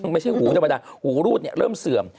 ไม่ใช่หูธรรมดาหูรูดเริ่มเสื่อม